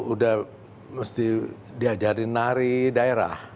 udah mesti diajarin nari daerah